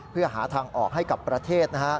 เพื่อหาทางออกให้กับประเทศ